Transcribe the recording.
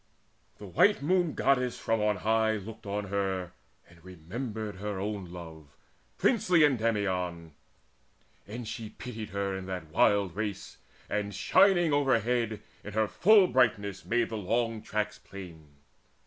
The white Moon goddess from on high Looked on her, and remembered her own love, Princely Endymion, and she pitied her In that wild race, and, shining overhead In her full brightness, made the long tracks plain.